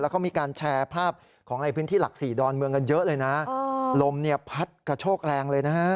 เขามีการแชร์ภาพของในพื้นที่หลักสี่ดอนเมืองกันเยอะเลยนะลมเนี่ยพัดกระโชกแรงเลยนะฮะ